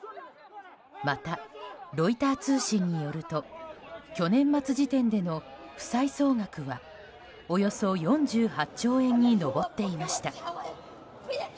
また、ロイター通信によると去年末時点での負債総額は、およそ４８兆円に上っていました。